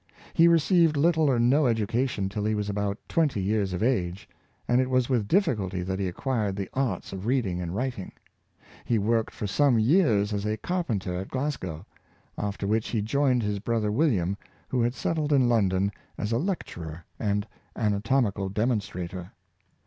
He received little or no education till he was about twenty years of age, and it was with difficulty that he acquired the arts of read ing and writing. He worked for some years as a car penter at Glasgow, after which he joined his brother William, who had settled in London as a lecturer and anatomical demonstrator.